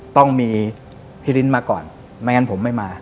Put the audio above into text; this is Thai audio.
ต้องมีพี่ลิ้นมาก่อนไม่งั้นผมไม่มา